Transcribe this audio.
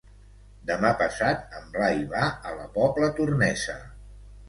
Demà passat en Blai va a la Pobla Tornesa.